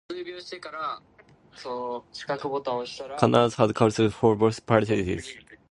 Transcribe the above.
Kansas had caucuses for both parties.